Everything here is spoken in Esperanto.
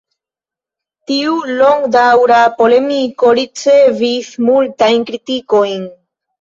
Tiu longdaŭra polemiko ricevis multajn kritikojn.